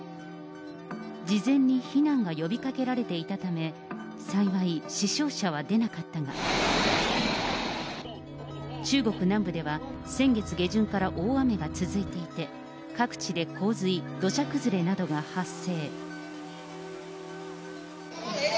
事前に避難が呼びかけられていたため、幸い、死傷者は出なかったが、中国南部では、先月下旬から大雨が続いていて、各地で洪水、土砂崩れなどが発生。